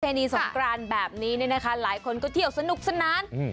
นีสงกรานแบบนี้เนี่ยนะคะหลายคนก็เที่ยวสนุกสนาน